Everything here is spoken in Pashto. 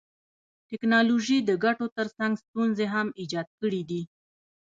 ټکنالوژي د ګټو تر څنګ ستونزي هم ایجاد کړيدي.